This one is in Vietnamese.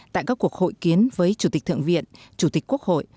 tại các cuộc hội kiến với chủ tịch thượng viện chủ tịch quốc hội